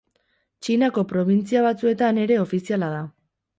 Txinako probintzia batzuetan ere ofiziala da.